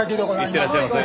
いってらっしゃいませ。